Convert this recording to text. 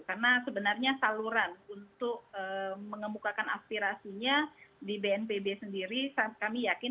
karena sebenarnya saluran untuk mengembukakan aspirasinya di bnpb sendiri kami yakin